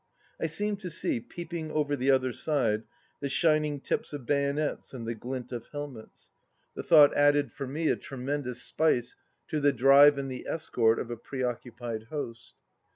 I seemed to see, peeping over the other side, the shining tips of bayonets and the glint of helmets. The thought added for 203 THE LAST DITCH 203 me a tremendous spice to the drive and the escort of a pre occupied host.